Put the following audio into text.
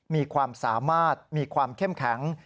มีความสามารถมีความเข้มแข็ง